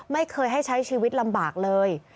ไม่เคยให้ใช้ชีวิตลำบากเลย